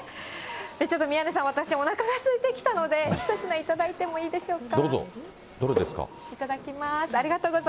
ちょっと宮根さん、私、おなかがすいてきたので、１品頂いてもいいでしょうか。